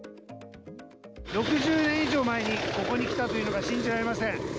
６０年以上前にここにきたというのが信じられません。